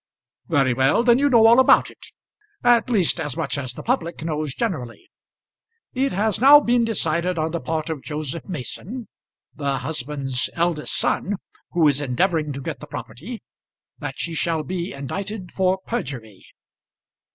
"Very well; then you know all about it. At least as much as the public knows generally. It has now been decided on the part of Joseph Mason, the husband's eldest son, who is endeavouring to get the property, that she shall be indicted for perjury."